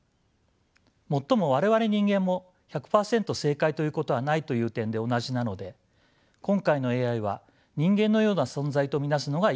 もっとも我々人間も１００％正解ということはないという点で同じなので今回のＡＩは人間のような存在と見なすのがいいかもしれません。